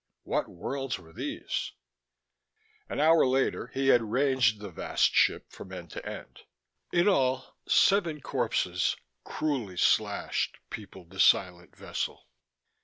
What worlds were these? An hour later he had ranged the vast ship from end to end. In all, seven corpses, cruelly slashed, peopled the silent vessel.